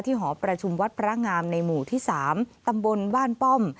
หอประชุมวัดพระงามในหมู่ที่๓ตำบลบ้านป้อม